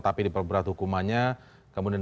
tapi diperberat hukumannya kemudian